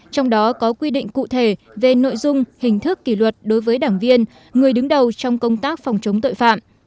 trong đó có quy định cụ thể về nội dung hình thức kỷ luật đối với đảng viên người đứng đầu trong công tác phòng chống tội phạm